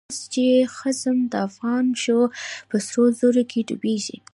اوس چی خصم د افغان شو، په سرو زرو کی ډوبيږی